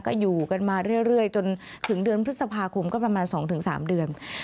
ก็อยู่กันมาเรื่อยจนถึงเดือนพฤษภาคมก็ประมาณ๒๓เดือน